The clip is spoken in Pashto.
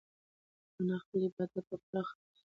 انا خپل عبادت په پوره اخلاص پای ته ورساوه.